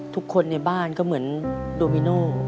ทุกคนในบ้านก็เหมือนโดมิโน